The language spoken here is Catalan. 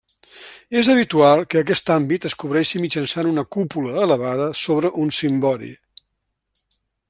És habitual que aquest àmbit es cobreixi mitjançant una cúpula elevada sobre un cimbori.